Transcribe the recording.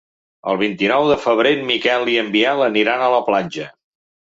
El vint-i-nou de febrer en Miquel i en Biel aniran a la platja.